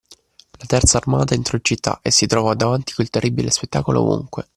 La terza armata entrò in città e si trovò davanti quel terribile spettacolo ovunque.